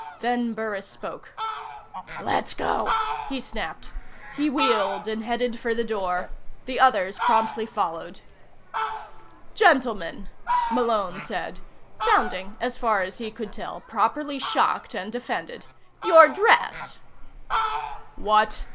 Then Burris spoke. "Let's go," he snapped. He wheeled and headed for the door. The others promptly followed. "Gentlemen!" Malone said, sounding, as far as he could tell, properly shocked and offended. "Your dress!" "What?"